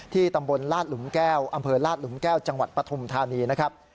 ตำบลลาดหลุมแก้วอำเภอลาดหลุมแก้วจังหวัดปฐุมธานีนะครับ